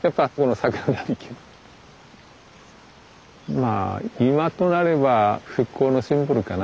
まあ今となれば復興のシンボルかな。